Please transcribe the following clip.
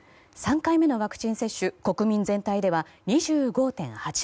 ３回目のワクチン接種国民全体では２５．８％。